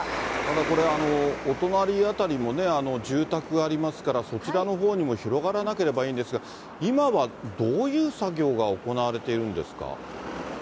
これ、お隣辺りもね、住宅ありますから、そちらのほうにも広がらなければいいんですが、今はどういう作業が行われているんですか？